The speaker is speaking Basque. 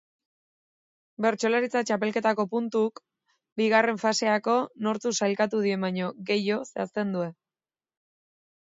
Bertsolaritza txapelketako puntuek bigarren faserako nortzuk sailkatu diren baino gehiago zehazten dute.